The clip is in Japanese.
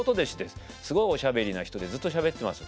すごいおしゃべりな人でずっとしゃべってます。